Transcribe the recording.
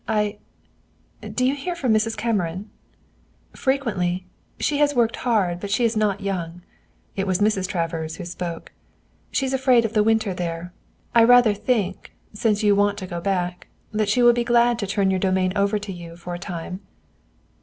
"I do you hear from Mrs. Cameron?" "Frequently. She has worked hard, but she is not young." It was Mrs. Travers who spoke. "She's afraid of the winter there. I rather think, since you want to go back, that she will be glad to turn your domain over to you for a time."